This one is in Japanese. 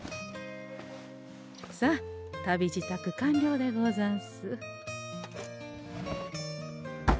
さあ旅支度完了でござんす。